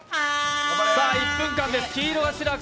さあ、１分間です。